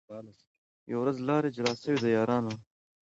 یوه ورځ لاري جلا سوې د یارانو